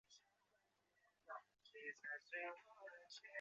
加利福尼亚州钻禧纪念半美元的设计获得广泛好评。